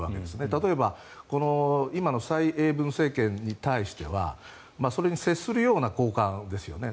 例えば今の蔡英文政権に対してはそれに接するような高官ですよね。